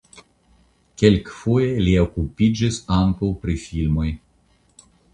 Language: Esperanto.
Kelkfoje li okupiĝis ankaŭ pri filmoj.